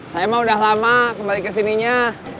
saya mah udah lama kembali kesininya